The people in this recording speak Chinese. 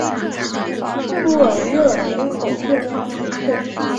布尔热人口变化图示